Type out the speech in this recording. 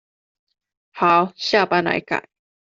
好，下班來改